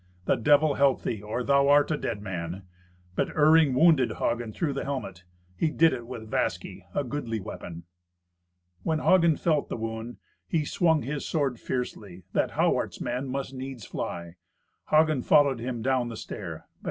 The Devil help thee, or thou art a dead man." But Iring wounded Hagen through the helmet. He did it with Vasky, a goodly weapon. When Hagen felt the wound, he swung his sword fiercely, that Hawart's man must needs fly. Hagen followed him down the stair.